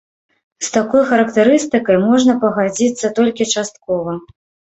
З такой характарыстыкай можна пагадзіцца толькі часткова.